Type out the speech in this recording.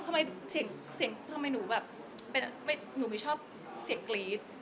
ทำไมหนูไม่ชอบเสียงกรี๊ด